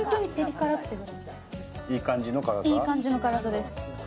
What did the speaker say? いい感じの辛さです。